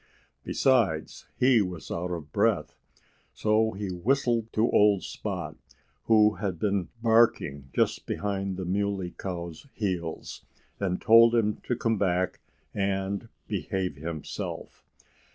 Besides, he was out of breath. So he whistled to old Spot, who had been barking just behind the Muley Cow's heels, and told him to come back and behave himself.